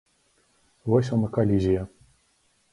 Вось вам і калізія.